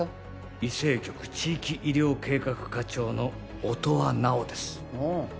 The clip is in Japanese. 医政局地域医療計画課長の音羽尚ですああ